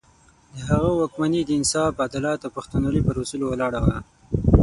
د هغه واکمني د انصاف، عدالت او پښتونولي پر اصولو ولاړه وه.